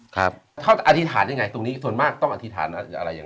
เขาอธิษฐานยังไงตรงนี้ส่วนมากต้องอธิษฐานอะไรอย่าง